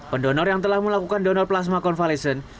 pendonor yang telah melakukan donor plasma konvalescent